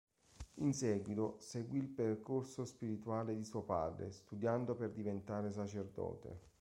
In seguito, seguì il percorso spirituale di suo padre, studiando per diventare sacerdote.